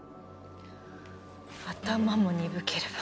頭も鈍ければ